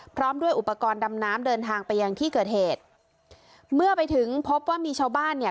พร้อมด้วยอุปกรณ์ดำน้ำเดินทางไปยังที่เกิดเหตุเมื่อไปถึงพบว่ามีชาวบ้านเนี่ย